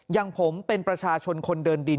อย่างผมเป็นประชาชนคนเดินดิน